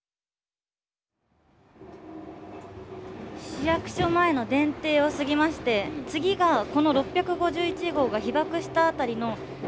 市役所前の電停を過ぎまして次がこの６５１号が被爆した辺りの中電前電停ですね。